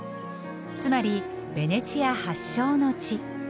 つまりベネチア発祥の地。